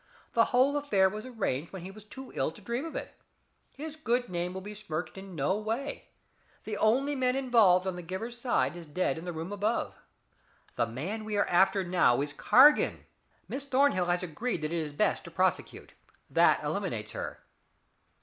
The whole affair was arranged when he was too ill to dream of it. His good name will be smirched in no way. The only man involved on the giver's side is dead in the room above. The man we are after now is Cargan. Miss Thornhill has agreed that it is best to prosecute. That eliminates her."